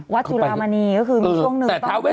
วัดจุลามณีก็คือมีช่วงหนึ่งต้องกิจระบบเลย